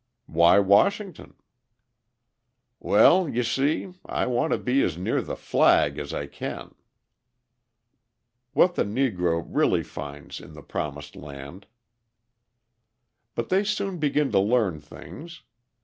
"Why Washington?" "Well, you see, I want to be as near the flag as I can." What the Negro Really Finds in the Promised Land But they soon begin to learn things!